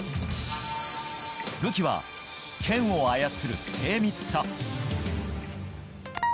武器は、剣を操る精密さ。